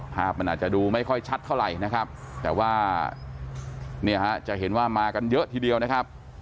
ภาพมันอาจจะดูไม่ค่อยชัดเท่าไหร่นะครับแต่ว่าเนี่ยฮะจะเห็นว่ามากันเยอะทีเดียวนะครับ